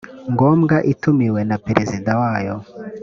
ngombwa itumiwe na perezida wayo